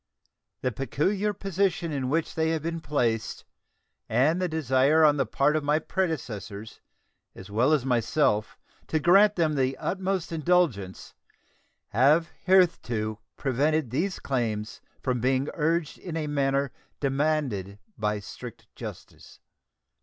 The peculiar position in which they have been placed and the desire on the part of my predecessors as well as myself to grant them the utmost indulgence have hitherto prevented these claims from being urged in a manner demanded by strict justice.